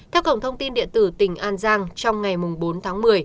theo cổng thông tin điện tử tỉnh an giang trong ngày bốn tháng một mươi